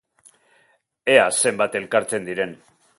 Ea zenbat elkartzen diren.